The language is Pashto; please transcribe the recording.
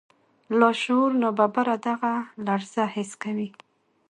لاشعور ناببره دغه لړزه حس کوي.